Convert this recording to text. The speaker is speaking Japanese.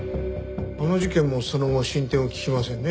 あの事件もその後進展を聞きませんね。